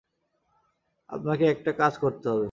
আপনাকে একটা কাজ করতে হবে।